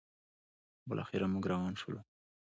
بالاخره موږ روان شولو: